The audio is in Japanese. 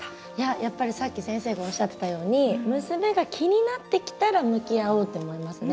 やっぱり、さっき先生がおっしゃってたように娘が気になってきたら向き合おうって思いますね。